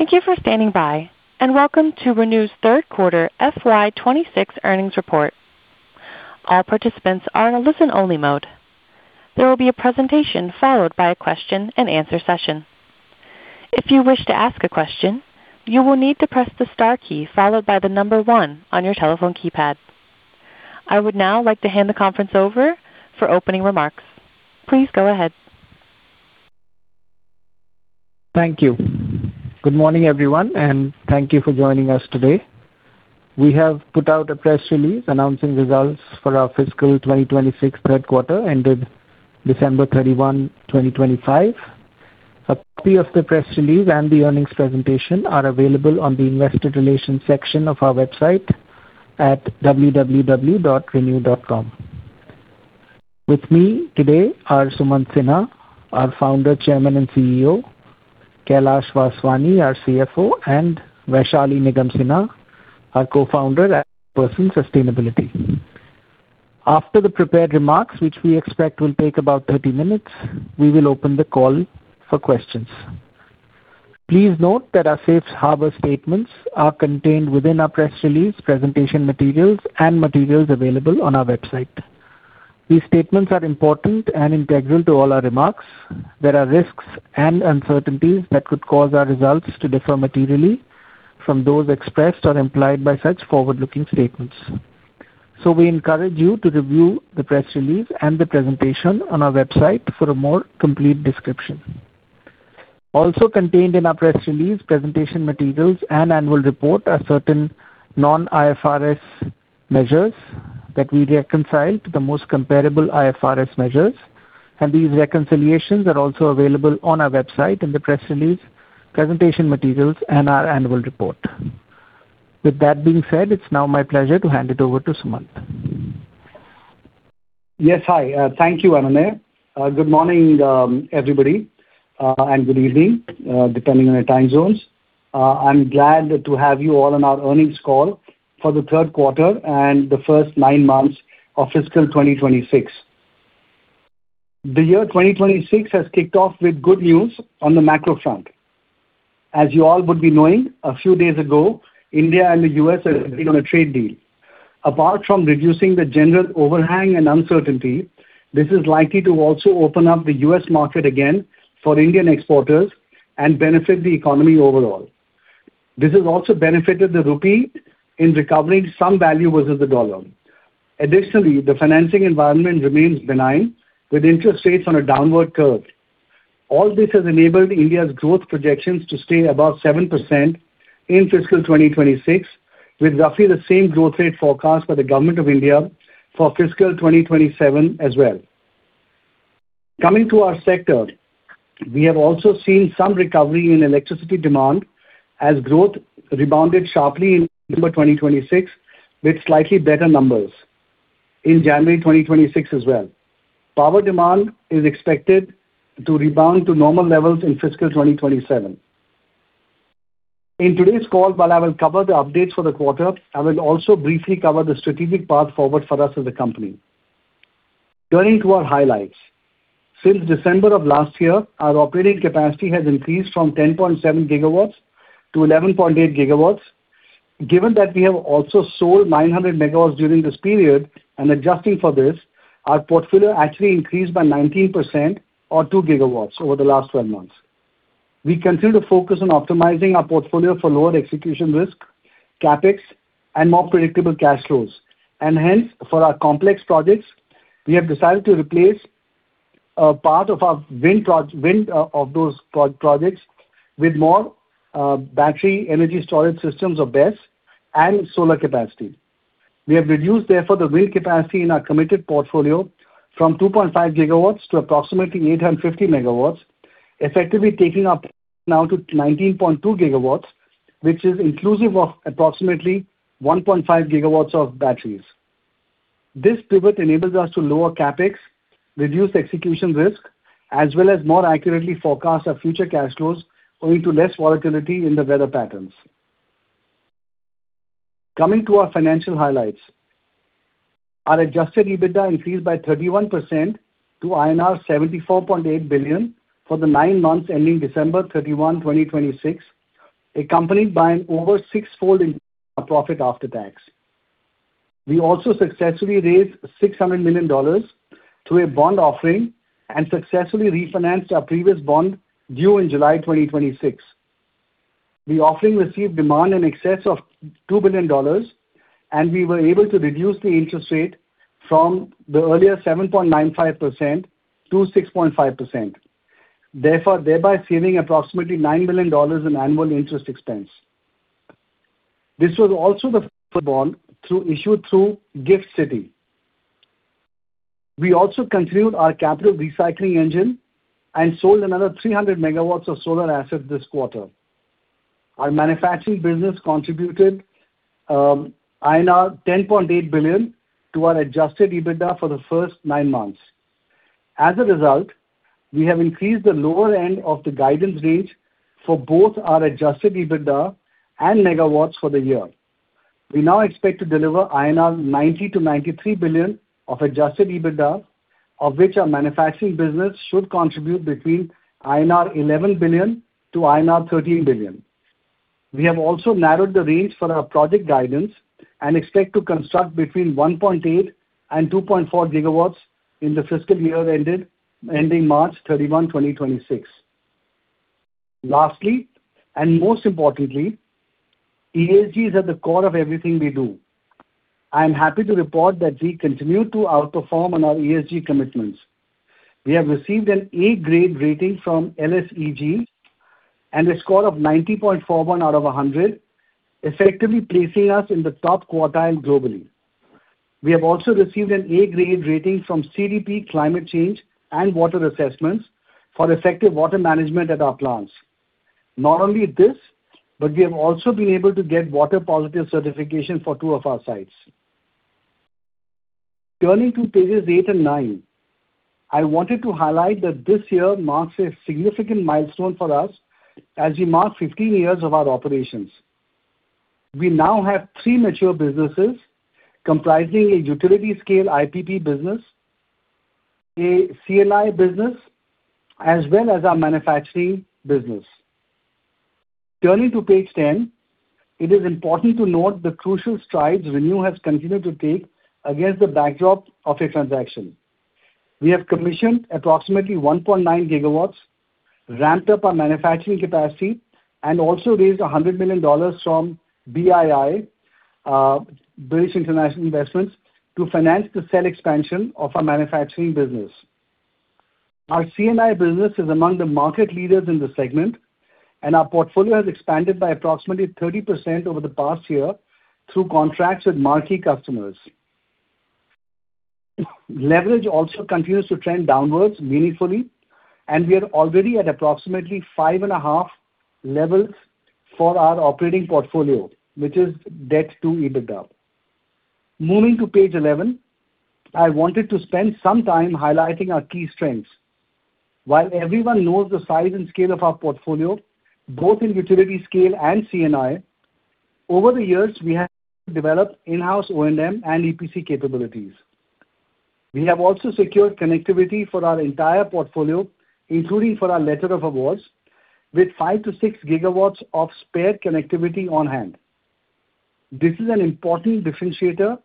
Thank you for standing by, and welcome to ReNew's Third Quarter FY26 Earnings Report. All participants are in a listen-only mode. There will be a presentation followed by a question and answer session. If you wish to ask a question, you will need to press the star key followed by the number one on your telephone keypad. I would now like to hand the conference over for opening remarks. Please go ahead. Thank you. Good morning, everyone, and thank you for joining us today. We have put out a press release announcing results for our fiscal 2026 third quarter, ended December 31, 2025. A copy of the press release and the earnings presentation are available on the investor relations section of our website at www.renew.com. With me today are Sumant Sinha, our Founder, Chairman, and CEO; Kailash Vaswani, our CFO; and Vaishali Nigam Sinha, our Co-founder and Chairperson, Sustainability. After the prepared remarks, which we expect will take about 30 minutes, we will open the call for questions. Please note that our safe harbor statements are contained within our press release, presentation materials, and materials available on our website. These statements are important and integral to all our remarks. There are risks and uncertainties that could cause our results to differ materially from those expressed or implied by such forward-looking statements. So we encourage you to review the press release and the presentation on our website for a more complete description. Also contained in our press release, presentation materials, and annual report are certain non-IFRS measures that we reconcile to the most comparable IFRS measures, and these reconciliations are also available on our website in the press release, presentation materials, and our annual report. With that being said, it's now my pleasure to hand it over to Sumant. Yes. Hi, thank you, Anunay. Good morning, everybody, and good evening, depending on your time zones. I'm glad to have you all on our Earnings Call for the Third Quarter and The First Nine Months of Fiscal 2026. The year 2026 has kicked off with good news on the macro front. As you all would be knowing, a few days ago, India and the U.S. have agreed on a trade deal. Apart from reducing the general overhang and uncertainty, this is likely to also open up the U.S. market again for Indian exporters and benefit the economy overall. This has also benefited the rupee in recovering some value versus the dollar. Additionally, the financing environment remains benign, with interest rates on a downward curve. All this has enabled India's growth projections to stay above 7% in fiscal 2026, with roughly the same growth rate forecast by the government of India for fiscal 2027 as well. Coming to our sector, we have also seen some recovery in electricity demand as growth rebounded sharply in December 2026, with slightly better numbers in January 2026 as well. Power demand is expected to rebound to normal levels in fiscal 2027. In today's call, while I will cover the updates for the quarter, I will also briefly cover the strategic path forward for us as a company. Turning to our highlights. Since December of last year, our operating capacity has increased from 10.7 GW to 11.8 GW. Given that we have also sold 900 MW during this period, and adjusting for this, our portfolio actually increased by 19% or 2 GW over the last 12 months. We continue to focus on optimizing our portfolio for lower execution risk, CapEx, and more predictable cash flows. And hence, for our complex projects, we have decided to replace part of our wind projects with more battery energy storage systems, or BESS, and solar capacity. We have reduced, therefore, the wind capacity in our committed portfolio from 2.5 GW to approximately 850 MW, effectively taking up now to 19.2 GW, which is inclusive of approximately 1.5 GW of batteries. This pivot enables us to lower CapEx, reduce execution risk, as well as more accurately forecast our future cash flows, owing to less volatility in the weather patterns. Coming to our financial highlights. Our adjusted EBITDA increased by 31% to INR 74.8 billion for the nine months ending December 31, 2026, accompanied by an over sixfold increase in our profit after tax. We also successfully raised $600 million through a bond offering and successfully refinanced our previous bond, due in July 2026. The offering received demand in excess of $2 billion, and we were able to reduce the interest rate from the earlier 7.95% to 6.5%. Therefore, thereby saving approximately $9 million in annual interest expense. This was also the first bond issued through GIFT City. We also continued our capital recycling engine and sold another 300 MW of solar assets this quarter. Our manufacturing business contributed 10.8 billion to our adjusted EBITDA for the first nine months. As a result, we have increased the lower end of the guidance range for both our adjusted EBITDA and megawatts for the year. We now expect to deliver 90 billion-93 billion INR of adjusted EBITDA, of which our manufacturing business should contribute between 11 billion-13 billion INR. We have also narrowed the range for our project guidance and expect to construct between 1.8 GW and 2.4 GW in the fiscal year ending March 31, 2026. Lastly, and most importantly, ESG is at the core of everything we do. I am happy to report that we continue to outperform on our ESG commitments. We have received an A grade rating from LSEG and a score of 90.41 out of 100, effectively placing us in the top quartile globally. We have also received an A grade rating from CDP Climate Change and Water Assessments for effective water management at our plants. Not only this, but we have also been able to get water positive certification for two of our sites. Turning to pages eight and nine, I wanted to highlight that this year marks a significant milestone for us as we mark 15 years of our operations. We now have three mature businesses comprising a utility scale IPP business, a C&I business, as well as our manufacturing business. Turning to page 10, it is important to note the crucial strides ReNew has continued to take against the backdrop of a transaction. We have commissioned approximately 1.9 gigawatts, ramped up our manufacturing capacity, and also raised $100 million from BII, British International Investment, to finance the cell expansion of our manufacturing business. Our C&I business is among the market leaders in the segment, and our portfolio has expanded by approximately 30% over the past year through contracts with marquee customers. Leverage also continues to trend downwards meaningfully, and we are already at approximately 5.5x levels for our operating portfolio, which is debt to EBITDA. Moving to page 11, I wanted to spend some time highlighting our key strengths. While everyone knows the size and scale of our portfolio, both in utility scale and C&I, over the years, we have developed in-house O&M and EPC capabilities. We have also secured connectivity for our entire portfolio, including for our letter of awards, with 5 GW-6 GW of spare connectivity on hand. This is an important differentiator,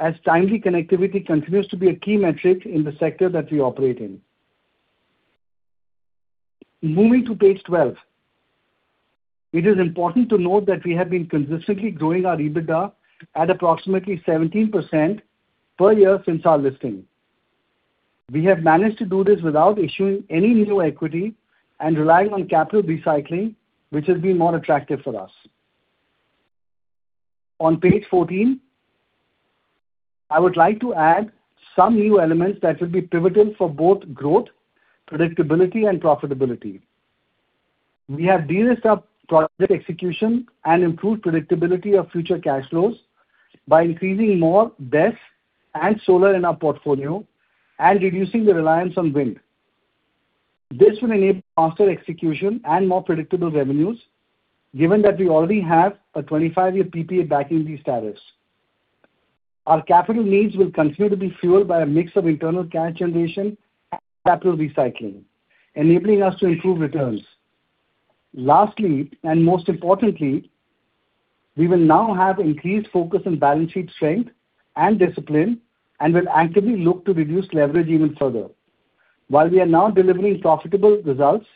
as timely connectivity continues to be a key metric in the sector that we operate in. Moving to page 12. It is important to note that we have been consistently growing our EBITDA at approximately 17% per year since our listing. We have managed to do this without issuing any new equity and relying on capital recycling, which has been more attractive for us. On page 14, I would like to add some new elements that will be pivotal for both growth, predictability, and profitability. We have de-risked our project execution and improved predictability of future cash flows by increasing more BESS and solar in our portfolio and reducing the reliance on wind. This will enable faster execution and more predictable revenues, given that we already have a 25-year PPA backing these tariffs. Our capital needs will continue to be fueled by a mix of internal cash generation and capital recycling, enabling us to improve returns. Lastly, and most importantly, we will now have increased focus on balance sheet strength and discipline and will actively look to reduce leverage even further. While we are now delivering profitable results,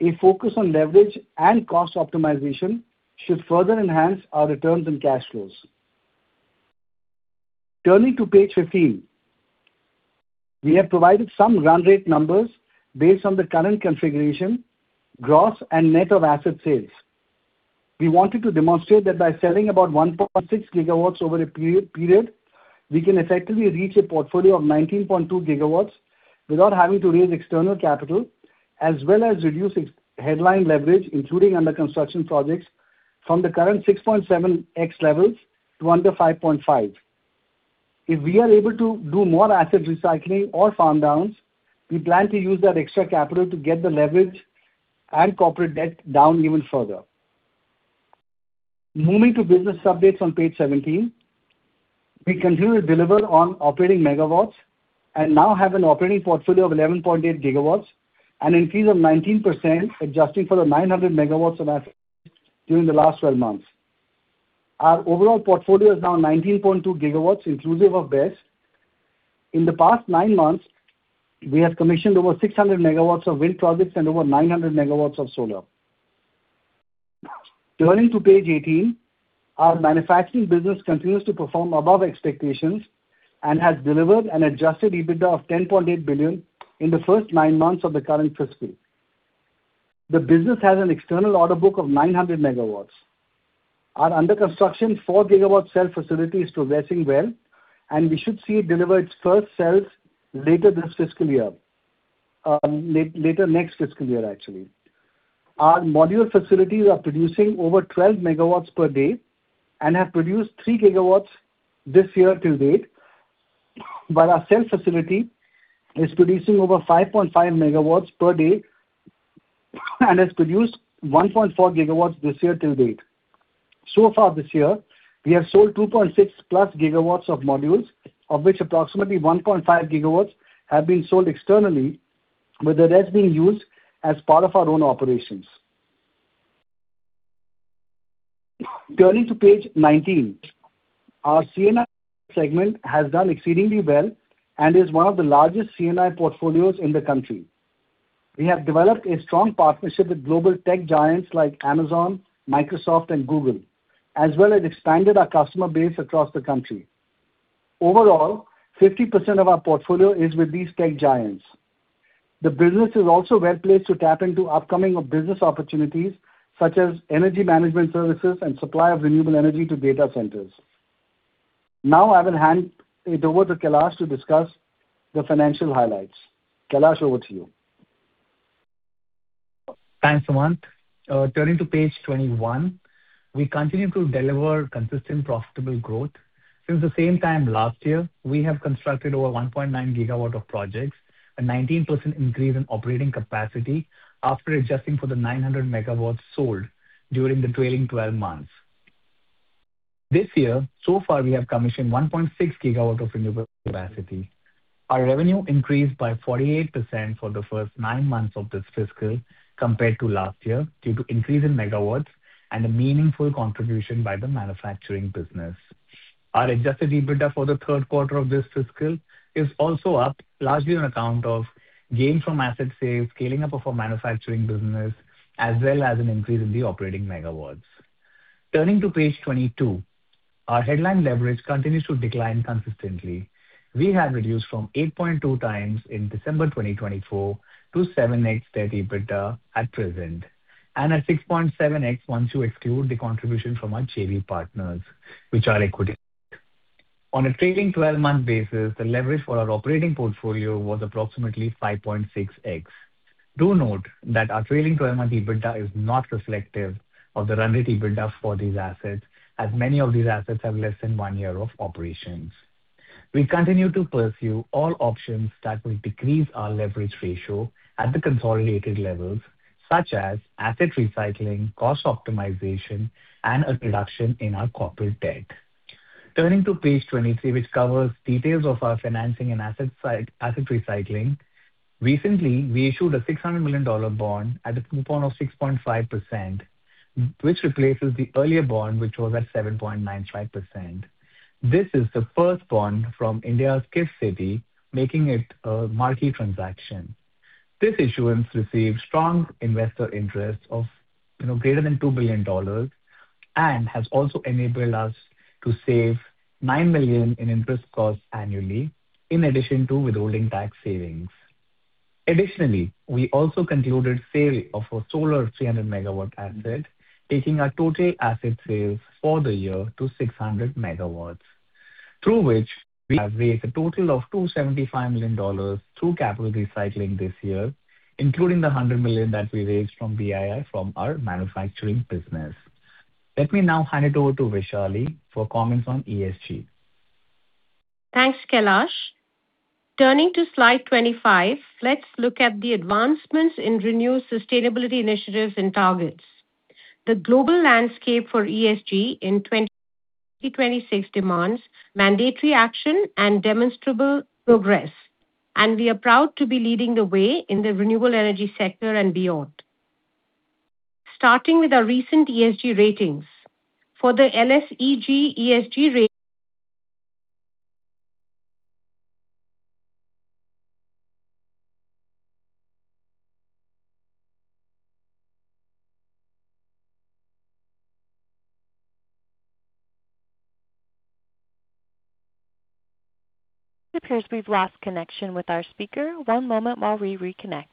a focus on leverage and cost optimization should further enhance our returns and cash flows. Turning to page 15. We have provided some run rate numbers based on the current configuration, gross and net of asset sales. We wanted to demonstrate that by selling about 1.6 GW over a period, we can effectively reach a portfolio of 19.2 GW without having to raise external capital, as well as reduce ex-headline leverage, including under construction projects, from the current 6.7x levels to under 5.5x. If we are able to do more asset recycling or farm downs, we plan to use that extra capital to get the leverage and corporate debt down even further. Moving to business updates on page 17. We continue to deliver on operating megawatts and now have an operating portfolio of 11.8 GW, an increase of 19%, adjusting for the 900 MW of assets during the last 12 months. Our overall portfolio is now 19.2 GW, inclusive of BESS. In the past nine months, we have commissioned over 600 MW of wind projects and over 900 MW of solar. Turning to page 18, our manufacturing business continues to perform above expectations and has delivered an adjusted EBITDA of 10.8 billion in the first nine months of the current fiscal year. The business has an external order book of 900 MW. Our under construction 4 GW cell facility is progressing well, and we should see it deliver its first cells later next fiscal year, actually. Our module facilities are producing over 12 MW per day and have produced 3 GW this year-to-date, but our cell facility is producing over 5.5 MW per day and has produced 1.4 GW this year-to-date. So far this year, we have sold 2.6+ GW of modules, of which approximately 1.5 GW have been sold externally, with the rest being used as part of our own operations. Turning to page 19. Our C&I segment has done exceedingly well and is one of the largest C&I portfolios in the country. We have developed a strong partnership with global tech giants like Amazon, Microsoft, and Google, as well as expanded our customer base across the country. Overall, 50% of our portfolio is with these tech giants. The business is also well-placed to tap into upcoming business opportunities, such as energy management services and supply of renewable energy to data centers. Now I will hand it over to Kailash to discuss the financial highlights. Kailash, over to you. Thanks, Sumant. Turning to page 21, we continue to deliver consistent, profitable growth. Since the same time last year, we have constructed over 1.9 GW of projects, a 19% increase in operating capacity after adjusting for the 900 MW sold during the trailing 12 months. This year, so far, we have commissioned 1.6 GW of renewable capacity. Our revenue increased by 48% for the first nine months of this fiscal compared to last year, due to increase in megawatts and a meaningful contribution by the manufacturing business. Our adjusted EBITDA for the third quarter of this fiscal is also up, largely on account of gains from asset sales, scaling up of our manufacturing business, as well as an increase in the operating megawatts. Turning to page 22, our headline leverage continues to decline consistently. We have reduced from 8.2x in December 2024 to 7x debt EBITDA at present, and at 6.7x, once you exclude the contribution from our JV partners, which are equity. On a trailing 12-month basis, the leverage for our operating portfolio was approximately 5.6x. Do note that our trailing 12-month EBITDA is not reflective of the run rate EBITDA for these assets, as many of these assets have less than one year of operations. We continue to pursue all options that will decrease our leverage ratio at the consolidated levels, such as asset recycling, cost optimization, and a reduction in our corporate debt. Turning to page 23, which covers details of our financing and asset recycling. Recently, we issued a $600 million bond at a coupon of 6.5%, which replaces the earlier bond, which was at 7.95%. This is the first bond from India's GIFT City, making it a marquee transaction. This issuance received strong investor interest of, you know, greater than $2 billion and has also enabled us to save $9 million in interest costs annually, in addition to withholding tax savings. Additionally, we also concluded sale of a solar 300 MW asset, taking our total asset sales for the year to 600 MW, through which we have raised a total of $275 million through capital recycling this year, including the $100 million that we raised from BII from our manufacturing business. Let me now hand it over to Vaishali for comments on ESG. Thanks, Kailash. Turning to slide 25, let's look at the advancements in ReNew sustainability initiatives and targets. The global landscape for ESG in 2026 demands mandatory action and demonstrable progress, and we are proud to be leading the way in the renewable energy sector and beyond. Starting with our recent ESG ratings. For the LSEG ESG rating. It appears we've lost connection with our speaker. One moment while we reconnect.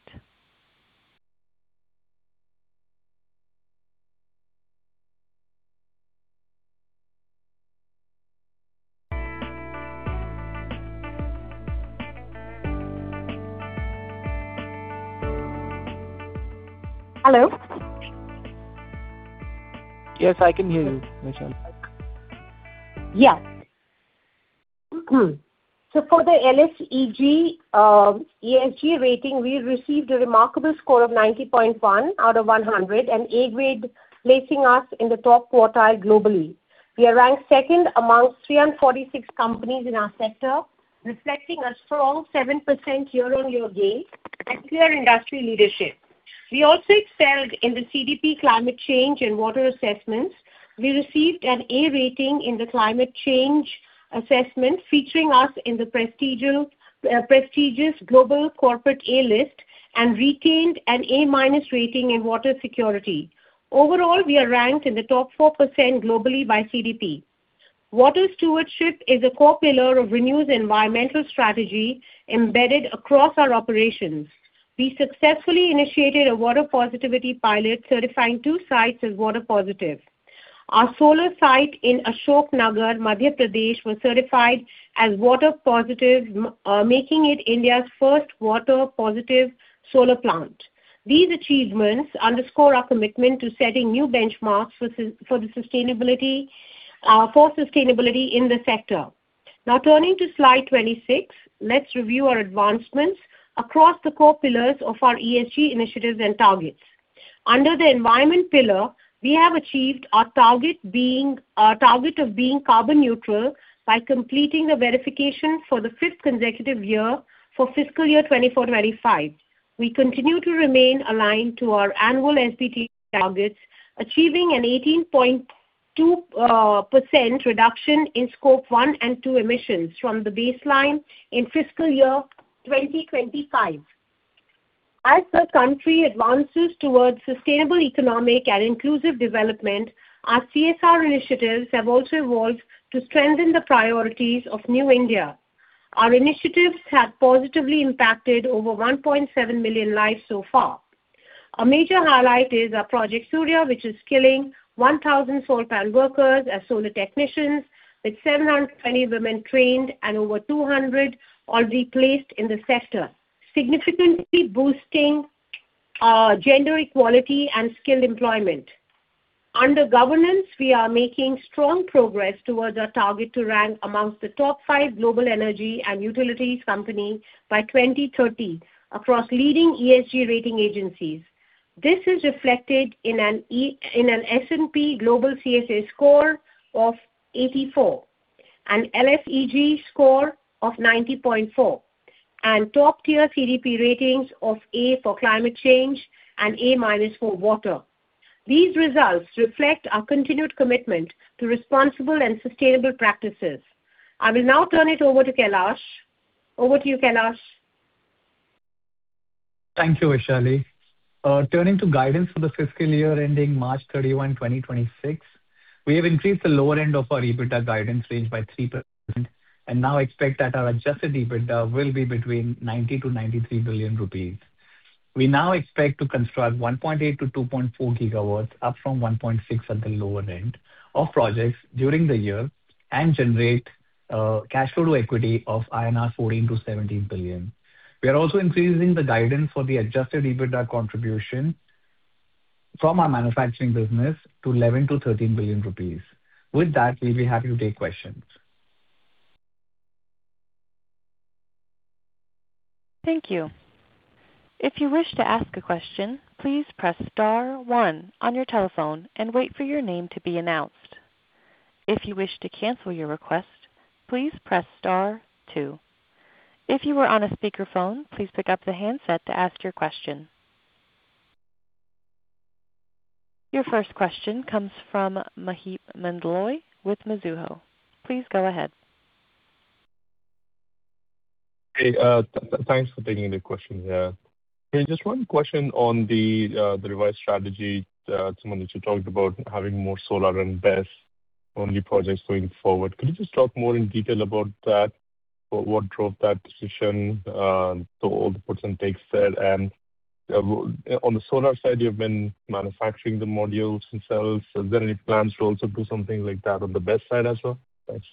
Hello? Yes, I can hear you, Vaishali. Yeah. So for the LSEG ESG rating, we received a remarkable score of 90.1 out of 100, and A grade, placing us in the top quartile globally. We are ranked second among 346 companies in our sector, reflecting a strong 7% year-on-year gain and clear industry leadership. We also excelled in the CDP Climate Change and Water assessments. We received an A rating in the Climate Change Assessment, featuring us in the prestigious Global Corporate A List and retained an A- rating in water security. Overall, we are ranked in the top 4% globally by CDP. Water stewardship is a core pillar of ReNew's environmental strategy, embedded across our operations. We successfully initiated a water positivity pilot, certifying two sites as water positive. Our solar site in Ashok Nagar, Madhya Pradesh, was certified as water positive, making it India's first water positive solar plant. These achievements underscore our commitment to setting new benchmarks for sustainability in the sector. Now turning to Slide 26, let's review our advancements across the core pillars of our ESG initiatives and targets. Under the environment pillar, we have achieved our target of being carbon neutral by completing the verification for the fifth consecutive year for fiscal year 2024, 2025. We continue to remain aligned to our annual SPT targets, achieving an 18.2% reduction in Scope 1 and 2 emissions from the baseline in fiscal year 2025. As the country advances towards sustainable economic and inclusive development, our CSR initiatives have also evolved to strengthen the priorities of new India. Our initiatives have positively impacted over 1.7 million lives so far. A major highlight is our Project Surya, which is skilling 1,000 solar power workers as solar technicians, with 720 women trained and over 200 already placed in the sector, significantly boosting gender equality and skilled employment. Under governance, we are making strong progress towards our target to rank amongst the top five global energy and utilities company by 2030, across leading ESG rating agencies. This is reflected in an S&P Global CSA score of 84, an LSEG score of 90.4, and top-tier CDP ratings of A for climate change and A- for water. These results reflect our continued commitment to responsible and sustainable practices. I will now turn it over to Kailash. Over to you, Kailash. Thank you, Vaishali. Turning to guidance for the fiscal year ending March 31, 2026, we have increased the lower end of our EBITDA guidance range by 3%, and now expect that our adjusted EBITDA will be between 90 billion-93 billion rupees. We now expect to construct 1.8 GW-2.4 GW, up from 1.6 GW at the lower end of projects during the year, and generate cash flow to equity of 14 billion-17 billion INR. We are also increasing the guidance for the adjusted EBITDA contribution from our manufacturing business to 11 billion-13 billion rupees. With that, we'll be happy to take questions. Thank you. If you wish to ask a question, please press star one on your telephone and wait for your name to be announced. If you wish to cancel your request, please press star two. If you are on a speakerphone, please pick up the handset to ask your question. Your first question comes from Maheep Mandloi with Mizuho. Please go ahead. Hey, thanks for taking the question here. Just one question on the, the revised strategy. Sumant you talked about having more solar and BESS-only projects going forward. Could you just talk more in detail about that? What, what drove that decision, so all the pros and cons there? And, on the solar side, you've been manufacturing the modules themselves. Are there any plans to also do something like that on the BESS side as well? Thanks.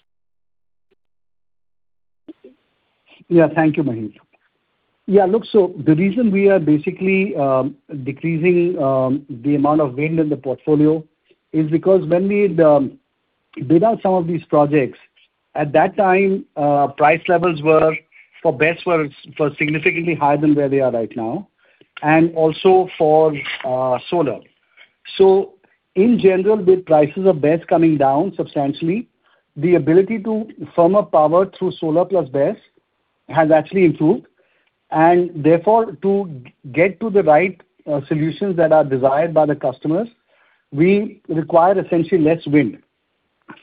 Yeah. Thank you, Maheep. Yeah, look, so the reason we are basically decreasing the amount of wind in the portfolio is because when we bid out some of these projects, at that time price levels were for BESS significantly higher than where they are right now, and also for solar. So in general, with prices of BESS coming down substantially, the ability to firm up power through solar plus BESS has actually improved. And therefore, to get to the right solutions that are desired by the customers, we require essentially less wind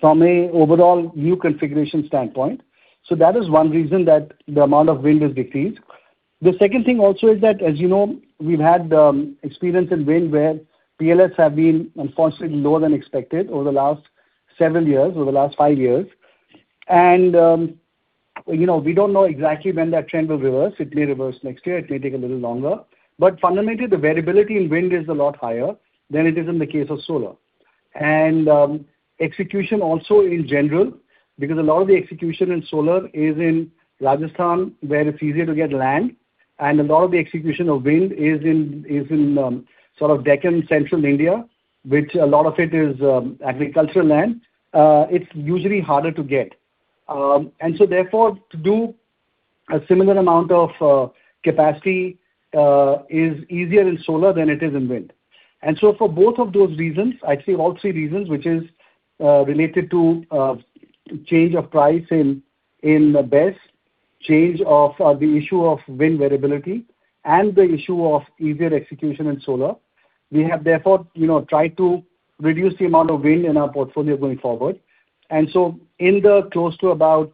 from a overall new configuration standpoint. So that is one reason that the amount of wind is decreased. The second thing also is that, as you know, we've had experience in wind, where PLF has been unfortunately lower than expected over the last 7 years, over the last 5 years. And, you know, we don't know exactly when that trend will reverse. It may reverse next year, it may take a little longer, but fundamentally, the variability in wind is a lot higher than it is in the case of solar. And, execution also in general, because a lot of the execution in solar is in Rajasthan, where it's easier to get land, and a lot of the execution of wind is in sort of Deccan, central India, which a lot of it is agricultural land, it's usually harder to get. And so therefore, to do a similar amount of capacity is easier in solar than it is in wind. And so for both of those reasons, actually all three reasons, which is related to change of price in BESS, change of the issue of wind variability and the issue of easier execution in solar, we have therefore, you know, tried to reduce the amount of wind in our portfolio going forward. And so in the close to about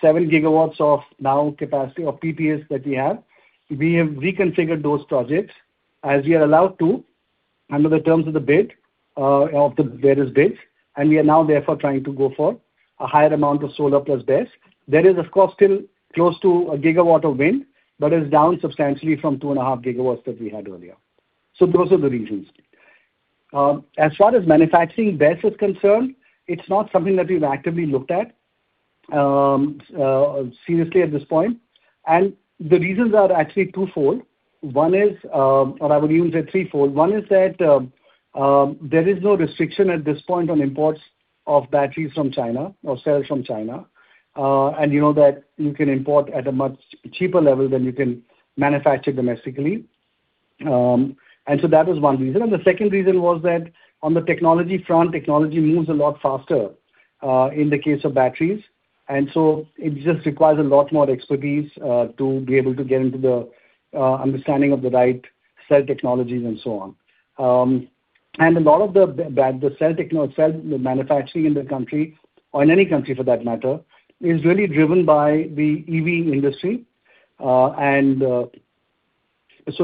7 GW of new capacity of IPPs that we have, we have reconfigured those projects as we are allowed to, under the terms of the bid of the various bids, and we are now therefore trying to go for a higher amount of solar plus BESS. There is, of course, still close to 1 GW of wind, but is down substantially from 2.5 GW that we had earlier. Those are the reasons. As far as manufacturing BESS is concerned, it's not something that we've actively looked at, seriously at this point. The reasons are actually twofold. One is, or I would even say threefold. One is that, there is no restriction at this point on imports of batteries from China or cells from China. And you know that you can import at a much cheaper level than you can manufacture domestically. And so that was one reason. The second reason was that on the technology front, technology moves a lot faster in the case of batteries, and so it just requires a lot more expertise to be able to get into the understanding of the right cell technologies and so on. A lot of the cell manufacturing in the country, or in any country for that matter, is really driven by the EV industry. So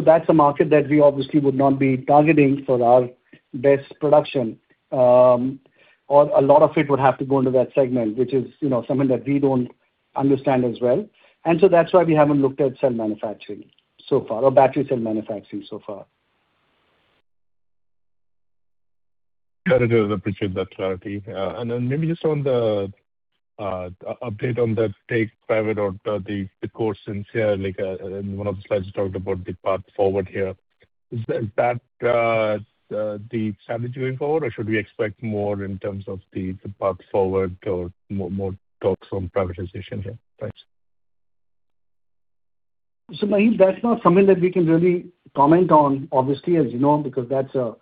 that's a market that we obviously would not be targeting for our BESS production. Or a lot of it would have to go into that segment, which is, you know, something that we don't understand as well. So that's why we haven't looked at cell manufacturing so far, or battery cell manufacturing so far. Got it. I appreciate that clarity. And then maybe just on the update on the take private or the course of action here, like, in one of the slides, you talked about the path forward here. Is that the strategy moving forward, or should we expect more in terms of the path forward or more talks on privatization here? Thanks. So, Maheep, that's not something that we can really comment on, obviously, as you know, because that's a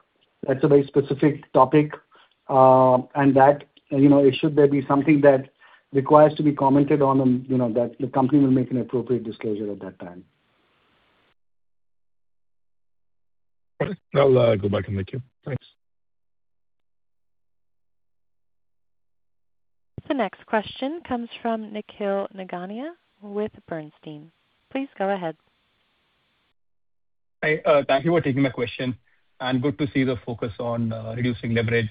very specific topic. And that, you know, it should there be something that requires to be commented on, you know, that the company will make an appropriate disclosure at that time. Okay. I'll go back and thank you. Thanks. The next question comes from Nikhil Nigania with Bernstein. Please go ahead. Hi, thank you for taking my question, and good to see the focus on reducing leverage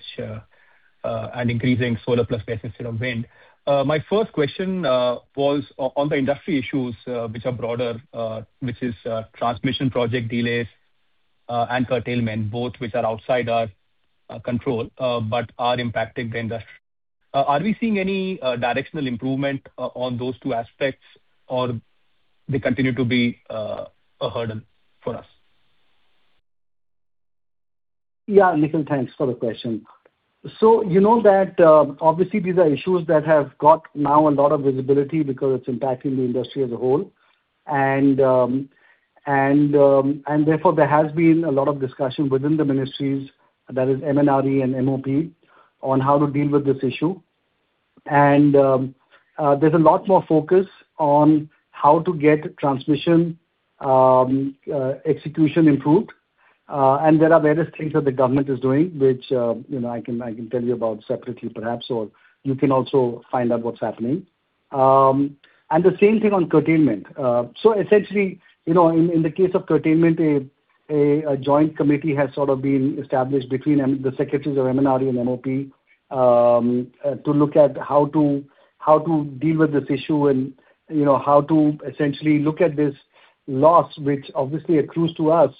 and increasing solar plus base instead of wind. My first question was on the industry issues, which are broader, which is transmission project delays and curtailment, both which are outside our control but are impacting the industry. Are we seeing any directional improvement on those two aspects, or they continue to be a hurdle for us? Yeah, Nikhil, thanks for the question. So you know that, obviously, these are issues that have got now a lot of visibility because it's impacting the industry as a whole. And therefore, there has been a lot of discussion within the ministries, that is MNRE and MOP, on how to deal with this issue. And, there's a lot more focus on how to get transmission execution improved. And there are various things that the government is doing, which, you know, I can tell you about separately, perhaps, or you can also find out what's happening. And the same thing on curtailment. So essentially, you know, in the case of curtailment, a joint committee has sort of been established between the secretaries of MNRE and MOP to look at how to deal with this issue and, you know, how to essentially look at this loss, which obviously accrues to us,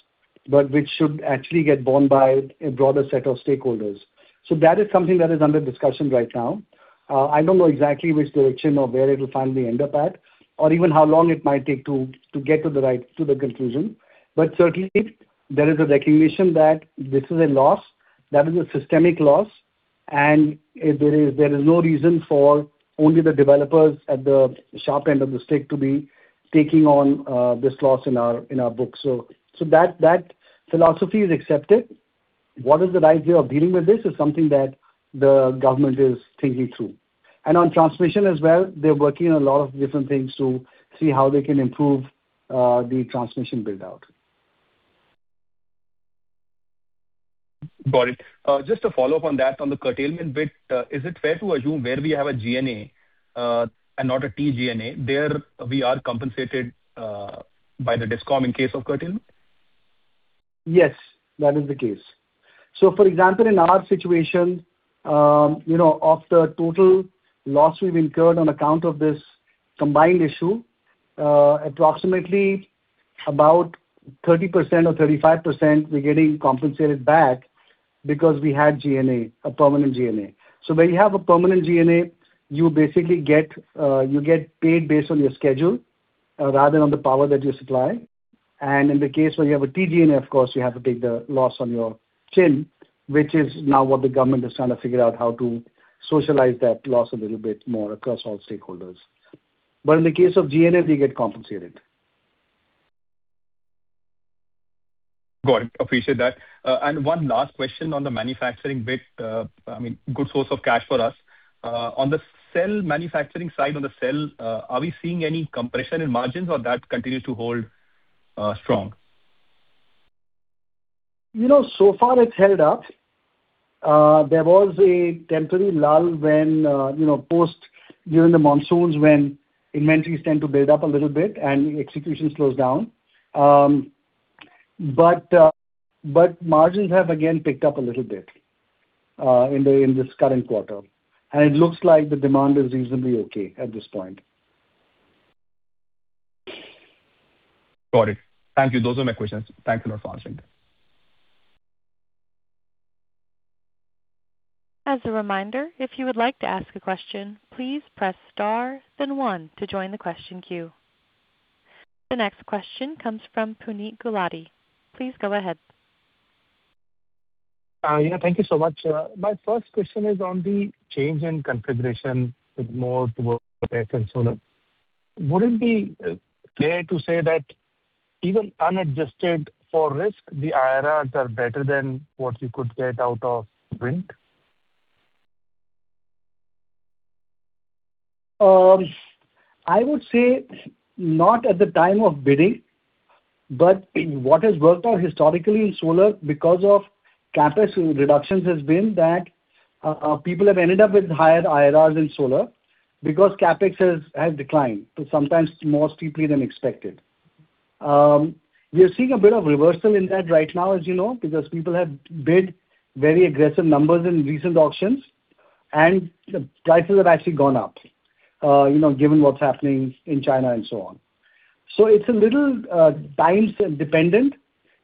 but which should actually get borne by a broader set of stakeholders. So that is something that is under discussion right now. I don't know exactly which direction or where it will finally end up at, or even how long it might take to get to the right conclusion. But certainly there is a recognition that this is a loss, that is a systemic loss, and there is no reason for only the developers at the sharp end of the stick to be taking on this loss in our books. So that philosophy is accepted. What is the right way of dealing with this is something that the government is thinking through. And on transmission as well, they're working on a lot of different things to see how they can improve the transmission build-out. Got it. Just to follow up on that, on the curtailment bit, is it fair to assume where we have a GNA, and not a TGNA, there we are compensated, by the DISCOM in case of curtailment? Yes, that is the case. So, for example, in our situation, you know, of the total loss we've incurred on account of this combined issue, approximately about 30% or 35%, we're getting compensated back because we had GNA, a permanent GNA. So when you have a permanent GNA, you basically get, you get paid based on your schedule, rather than on the power that you supply. And in the case where you have a TGNA, of course, you have to take the loss on your chin, which is now what the government is trying to figure out, how to socialize that loss a little bit more across all stakeholders. But in the case of GNA, we get compensated. Got it. Appreciate that. One last question on the manufacturing bit, I mean, good source of cash for us. On the cell manufacturing side, on the cell, are we seeing any compression in margins or that continues to hold strong? You know, so far it's held up. There was a temporary lull when, you know, post during the monsoons, when inventories tend to build up a little bit and execution slows down. But margins have again picked up a little bit, in the, in this current quarter. And it looks like the demand is reasonably okay at this point. Got it. Thank you. Those are my questions. Thanks a lot for answering. As a reminder, if you would like to ask a question, please press star then one to join the question queue. The next question comes from Puneet Gulati. Please go ahead. Yeah, thank you so much. My first question is on the change in configuration with more towards solar. Would it be fair to say that even unadjusted for risk, the IRRs are better than what you could get out of wind? I would say not at the time of bidding, but what has worked out historically in solar, because of CapEx reductions, has been that, people have ended up with higher IRRs in solar because CapEx has declined, sometimes more steeply than expected. We are seeing a bit of reversal in that right now, as you know, because people have bid very aggressive numbers in recent auctions, and the prices have actually gone up, you know, given what's happening in China and so on. So it's a little, time dependent,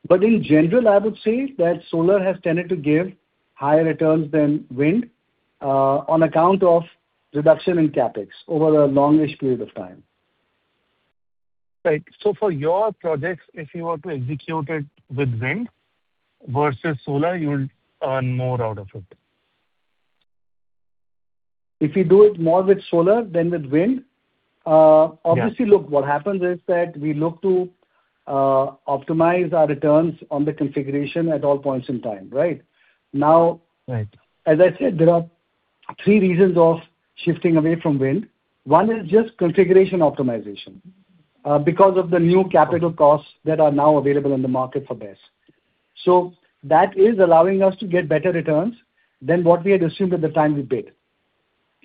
but in general, I would say that solar has tended to give higher returns than wind, on account of reduction in CapEx over a long-ish period of time. Right. So for your projects, if you were to execute it with wind versus solar, you will earn more out of it? If you do it more with solar than with wind? Yeah. Obviously, look, what happens is that we look to optimize our returns on the configuration at all points in time, right? Now. Right. As I said, there are three reasons of shifting away from wind. One is just configuration optimization, because of the new capital costs that are now available in the market for BESS. So that is allowing us to get better returns than what we had assumed at the time we bid.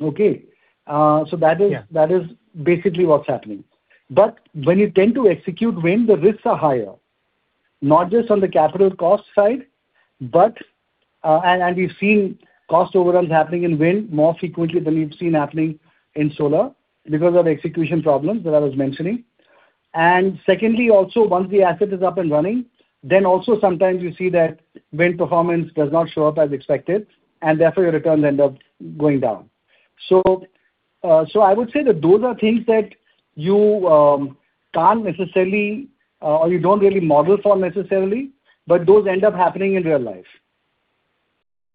Okay? Yeah. That is basically what's happening. But when you tend to execute wind, the risks are higher, not just on the capital cost side, but. And we've seen cost overruns happening in wind more frequently than we've seen happening in solar because of execution problems that I was mentioning. And secondly, also, once the asset is up and running, then also sometimes you see that wind performance does not show up as expected, and therefore your returns end up going down. So I would say that those are things that you can't necessarily or you don't really model for necessarily, but those end up happening in real life.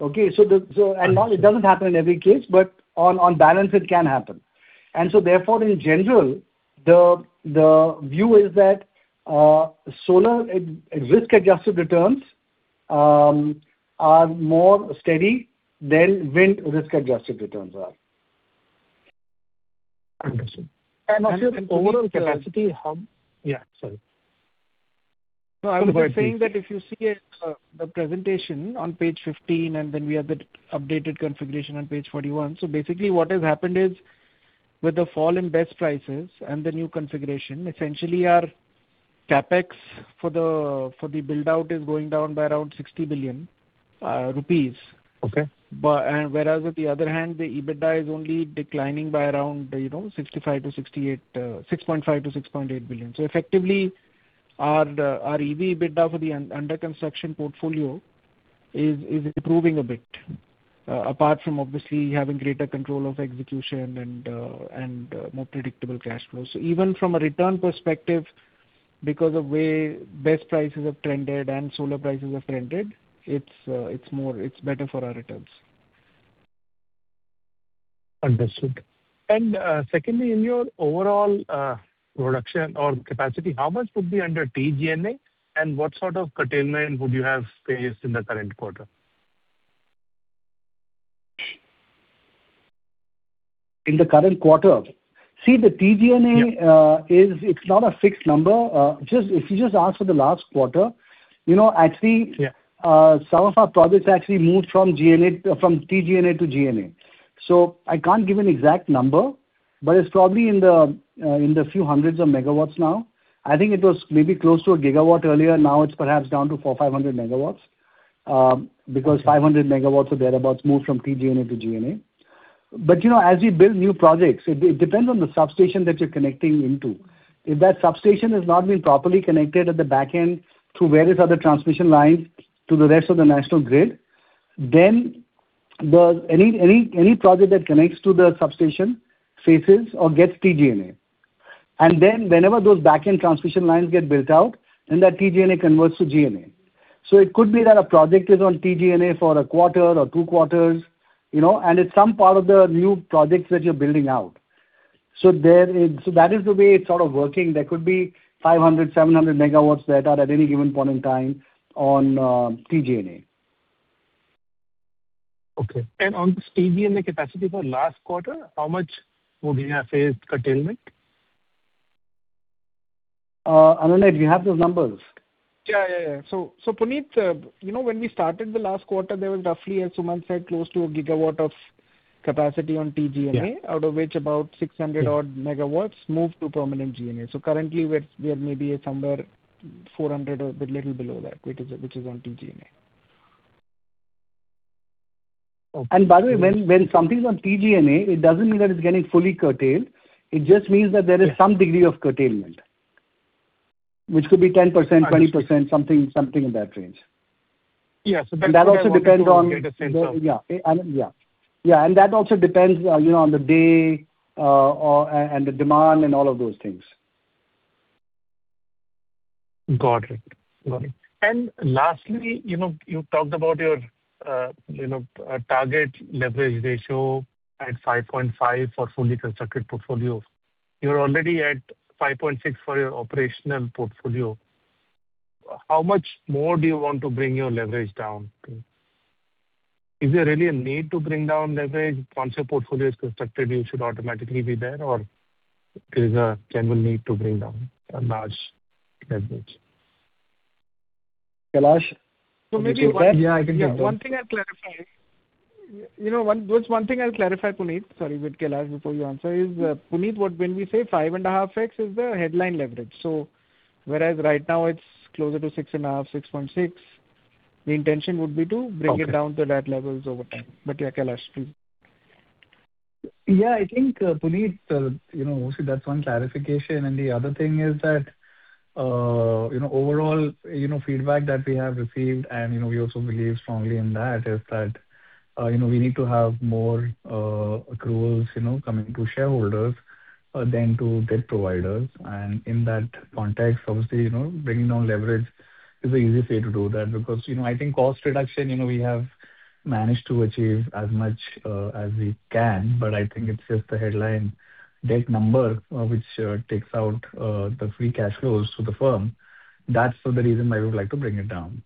Okay? Right. And now it doesn't happen in every case, but on balance, it can happen. And so therefore, in general, the view is that solar risk-adjusted returns are more steady than wind risk-adjusted returns are. Understood. Of your overall capacity, Yeah, sorry. No, I was just saying that if you see the presentation on page 15, and then we have the updated configuration on page 41. So basically what has happened is, with the fall in BESS prices and the new configuration, essentially our CapEx for the build-out is going down by around 60 billion rupees. Okay. Whereas, on the other hand, the EBITDA is only declining by around, you know, 65-68, $6.5 billion-$6.8 billion. So effectively, our EBITDA for the under construction portfolio is improving a bit, apart from obviously having greater control of execution and more predictable cash flows. So even from a return perspective, because of the way BESS prices have trended and solar prices have trended, it's more, it's better for our returns. Understood. And, secondly, in your overall, production or capacity, how much would be under TGNA, and what sort of curtailment would you have faced in the current quarter? In the current quarter? See, the TGNA, it’s not a fixed number. Just, if you just ask for the last quarter, you know, actually some of our projects actually moved from GNA, from TGNA to GNA. So I can't give an exact number, but it's probably in the few hundreds of megawatts now. I think it was maybe close to 1 GW earlier. Now it's perhaps down to 400 MW-500 MW, because 500 MW or thereabouts moved from TGNA to GNA. But, you know, as we build new projects, it depends on the substation that you're connecting into. If that substation has not been properly connected at the back end to various other transmission lines to the rest of the national grid, then any project that connects to the substation faces or gets TGNA. And then whenever those back-end transmission lines get built out, then that TGNA converts to GNA. So it could be that a project is on TGNA for a quarter or two quarters, you know, and it's some part of the new projects that you're building out. So there is. So that is the way it's sort of working. There could be 500 MG-700 MW that are at any given point in time on TGNA. Okay. And on this TGNA capacity for last quarter, how much would we have faced curtailment? Anunay, do you have those numbers? Yeah, yeah, yeah. So, Puneet, you know, when we started the last quarter, there was roughly, as Suman said, close to 1 GW of capacity on TGNA, out of which about 600 odd MW moved to permanent GNA. So currently, we're, we are maybe at somewhere 400 MW or a bit little below that, which is, which is on TGNA. By the way, when something's on TGNA, it doesn't mean that it's getting fully curtailed. It just means that there is some degree of curtailment. Which could be 10%, 20%, something, something in that range. Yes. And that also depends on. Get a sense of. Yeah. Yeah, yeah, and that also depends, you know, on the day, or, and, and the demand and all of those things. Got it. Got it. And lastly, you know, you talked about your, you know, target leverage ratio at 5.5x for fully constructed portfolios. You're already at 5.6x for your operational portfolio. How much more do you want to bring your leverage down to? Is there really a need to bring down leverage? Once your portfolio is constructed, you should automatically be there, or there is a general need to bring down a large leverage? Kailash, would you care? Yeah, I can. One thing I'll clarify. You know, one, just one thing I'll clarify, Puneet, sorry, with Kailash, before you answer, is, Puneet, what when we say 5.5x, is the headline leverage, so whereas right now it's closer to 6.5x, 6.6.x The intention would be to bring it down to that levels over time. But yeah, Kailash, please. Yeah, I think, Puneet, you know, see, that's one clarification. And the other thing is that, you know, overall, you know, feedback that we have received, and, you know, we also believe strongly in that, is that, you know, we need to have more, accruals, you know, coming to shareholders, than to debt providers. And in that context, obviously, you know, bringing down leverage is the easiest way to do that. Because, you know, I think cost reduction, you know, we have managed to achieve as much, as we can, but I think it's just the headline debt number, which, takes out, the free cash flows to the firm. That's so the reason why we would like to bring it down.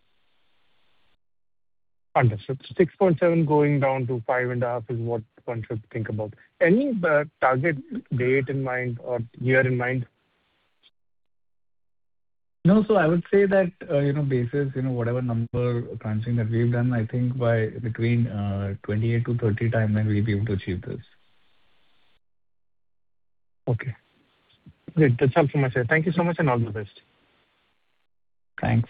Understood. 6.7x going down to 5.5x is what one should think about. Any target date in mind or year in mind? No. So I would say that, you know, basis, you know, whatever number crunching that we've done, I think by between 2028-2030 time, then we'll be able to achieve this. Okay. Great. That's all from my side. Thank you so much, and all the best. Thanks.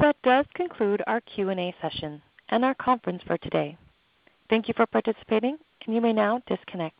That does conclude our Q&A session and our conference for today. Thank you for participating, and you may now disconnect.